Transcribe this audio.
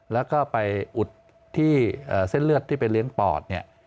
แล้วก็ไปอุดที่เส้นเลือดที่ไปเลี้ยงปอดเนี่ย